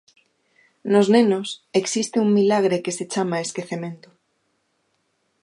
Nos nenos existe un milagre que se chama esquecemento.